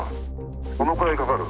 どのくらいかかる？